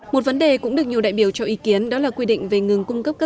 một vấn đề cũng được nhiều đại biểu cho ý kiến đó là quy định về ngừng cung cấp các